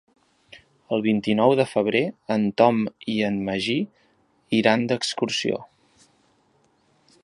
El vint-i-nou de febrer en Tom i en Magí iran d'excursió.